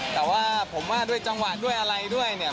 แต่ว่าผมว่าด้วยจังหวะด้วยอะไรด้วยเนี่ย